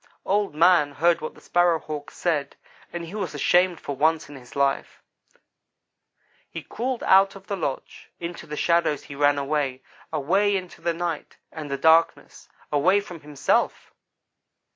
"Old man heard what the Sparrow hawk said, and he was ashamed for once in his life. He crawled out of the lodge. Into the shadows he ran away away into the night, and the darkness away from himself!